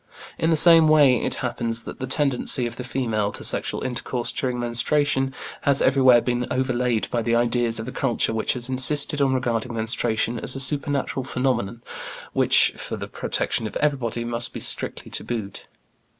In the same way it happens that the tendency of the female to sexual intercourse during menstruation has everywhere been overlaid by the ideas of a culture which has insisted on regarding menstruation as a supernatural phenomenon which, for the protection of everybody, must be strictly tabooed.